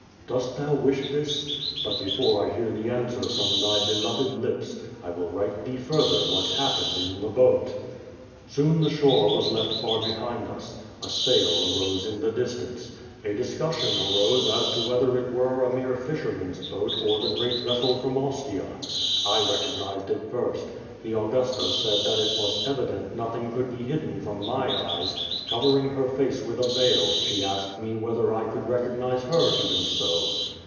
Dost thou wish this? But before I hear the answer from thy beloved lips, I will write thee further what hapiKjned in the boat. Soon the shore was left far behind us. A sail arose in the distance. A discussion arose as to whether it were a mere flsherman's boat or the great vessel from Ostia. I recognized it first. The Augusta said that it was evident nothing could be hidden from my eyes. Covering her face with a veil, slic asked me wlicther I could recognize her even so.